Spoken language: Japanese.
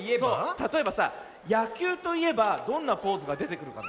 たとえばさやきゅうといえばどんなポーズがでてくるかな？